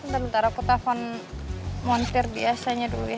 bentar bentar aku telfon montir biasanya dulu ya